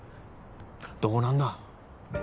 どうなんだ？